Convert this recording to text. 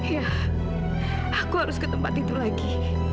ya aku harus ke tempat itu lagi